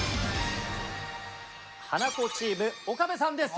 ハナコチーム岡部さんです。